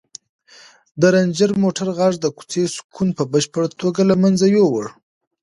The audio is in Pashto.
د رنجر موټر غږ د کوڅې سکون په بشپړه توګه له منځه یووړ.